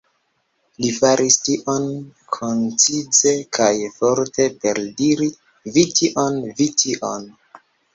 Li faris tion koncize kaj forte per diri "Vi tion, vi tion".